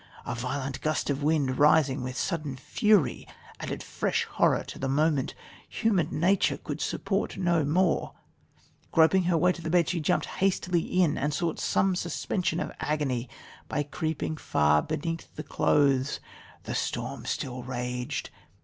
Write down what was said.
A violent gust of wind, rising with sudden fury, added fresh horror to the moment... Human nature could support no more ... groping her way to the bed she jumped hastily in, and sought some suspension of agony by creeping far beneath the clothes... The storm still raged...